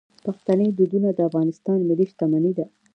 پښتني دودونه د افغانستان ملي شتمني ده.